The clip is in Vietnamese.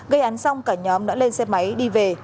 gây án xong cả nhóm đã lên xe máy đi về